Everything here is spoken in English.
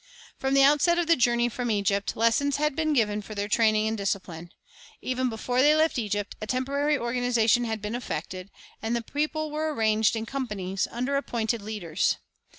From the outset of the journey from Egypt, lessons had been given for their training and discipline. Even before they left Egypt a temporary organization had been effected, and the people were arranged in companies, under appointed leaders.